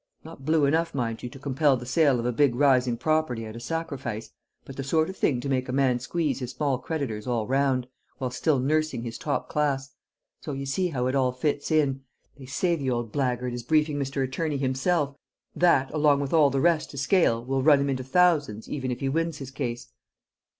Not blue enough, mind you, to compel the sale of a big rising property at a sacrifice; but the sort of thing to make a man squeeze his small creditors all round, while still nursing his top class. So you see how it all fits in. They say the old blackguard is briefing Mr. Attorney himself; that along with all the rest to scale, will run him into thousands even if he wins his case."